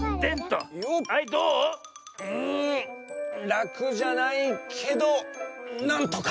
らくじゃないけどなんとか！